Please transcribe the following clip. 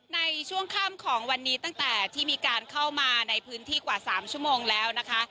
ในช่วงค่ำของวันนี้ตั้งแต่ที่มีการเข้ามาในพื้นที่กว่า๓ชั่วโมงแล้วนะคะ